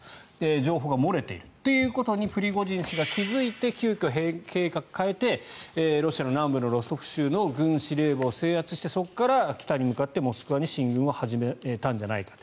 情報が漏れているということにプリゴジン氏が気付いて急きょ、計画を変えてロシアの南部のロストフ州の軍司令部を制圧してそこから北に向かってモスクワに進軍を始めたんじゃないかと。